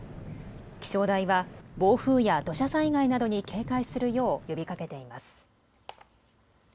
気象台は暴風や土砂災害などに警戒するよう呼びかけています。